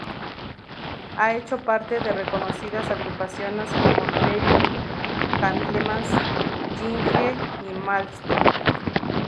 Ha hecho parte de reconocidas agrupaciones como Therion, Candlemass y Yngwie Malmsteen.